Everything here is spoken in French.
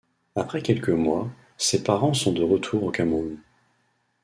Après quelques mois, ses parents sont de retour au Cameroun.